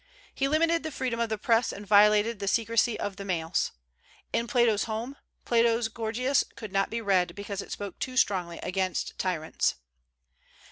He limited the freedom of the Press and violated the secrecy of the mails. "In Plato's home, Plato's Gorgias could not be read because it spoke too strongly against tyrants."